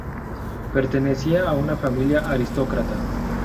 Pertenecía a una familia aristocrática.